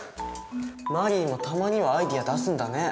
マリーもたまにはアイデア出すんだね。